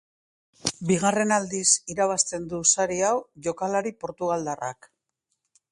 Bigarren aldiz irabazten du sari hau jokalari portugaldarrak.